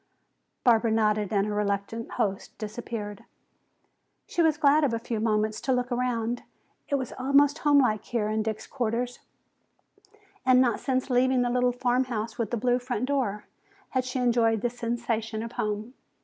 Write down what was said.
Barbara nodded and her reluctant host disappeared. She was glad of a few moments to look around. It was almost homelike here in Dick's quarters, and not since leaving the little "Farmhouse with the Blue Front Door" had she enjoyed the sensation of home.